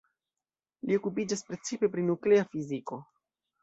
Li okupiĝas precipe pri nuklea fiziko.